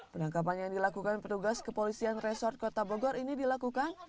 penangkapan yang dilakukan petugas kepolisian resort kota bogor ini dilakukan